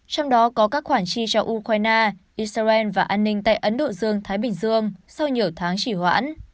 trong đó có các khoản chi cho ukraine israel và an ninh tại ấn độ dương thái bình dương sau nhiều tháng chỉ hoãn